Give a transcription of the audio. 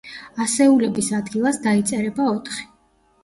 ასეულების ადგილას დაიწერება ოთხი.